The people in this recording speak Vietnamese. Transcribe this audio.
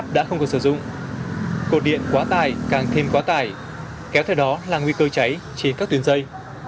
đã không còn sử dụng cột điện quá tải càng thêm quá tải kéo theo đó là nguy cơ cháy trên các tuyến dây